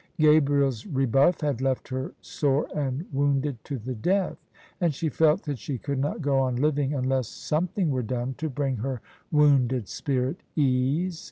Gabriel's rebuff had left her sore and wounded to the death ; and she felt that she could not go on living unless some thing were done to bring her wounded spirit ease.